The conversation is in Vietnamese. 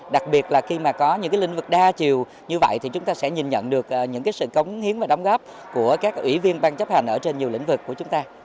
đặc biệt là khi mà có những lĩnh vực đa chiều như vậy thì chúng ta sẽ nhìn nhận được những sự cống hiến và đóng góp của các ủy viên ban chấp hành ở trên nhiều lĩnh vực của chúng ta